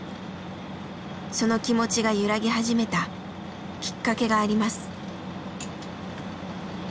その気持ちが揺らぎ始めたきっかけがあります。